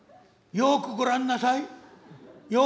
よくご覧なさい。